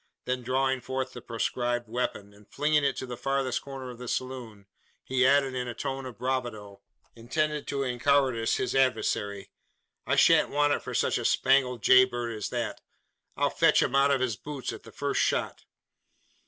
Then drawing forth the proscribed weapon, and flinging it to the farthest corner of the saloon, he added, in a tone of bravado, intended to encowardice his adversary. "I sha'n't want it for such a spangled jay bird as that. I'll fetch him out of his boots at the first shot."